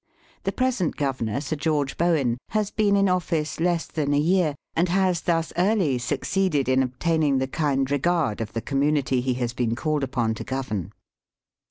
The present governor. Sir George Bowen, has been in office less than a year, and has thus early succeeded in obtaining the kind regard of the community he has been called upon to govern.